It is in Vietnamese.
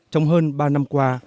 trong hơn ba năm qua